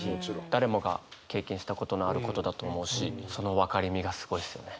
誰もが経験したことのあることだと思うしその分かれ目がすごいですよね。